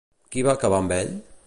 Qui va acabar amb ell?